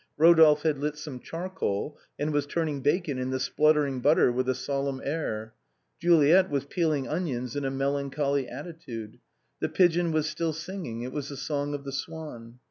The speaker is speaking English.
Rodolphe had lit some charcoal, and was turning bacon in the spluttering butter with a solemn air. Juliet was peeling onions in a melancholy attitude. The pigeon was still singing, it was the song of the swan.